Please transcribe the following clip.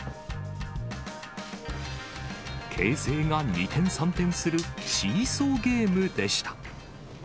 形勢が二転三転するシーソーゲームでした。